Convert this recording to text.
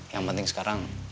yang penting sekarang